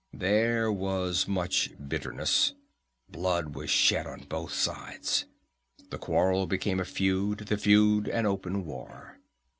"There was much bitterness. Blood was shed on both sides. The quarrel became a feud, the feud an open war.